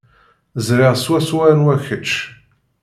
Ẓriɣ swaswa anwa kečč.